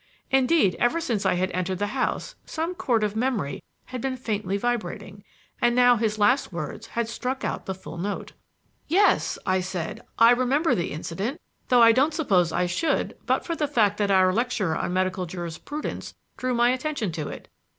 Indeed, ever since I had entered the house some chord of memory had been faintly vibrating, and now his last words had struck out the full note. "Yes," I said, "I remember the incident, though I don't suppose I should but for the fact that our lecturer on medical jurisprudence drew my attention to it."